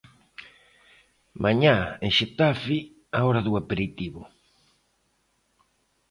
Mañá en Xetafe a hora do aperitivo.